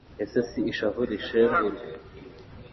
ese si ishavu rishengura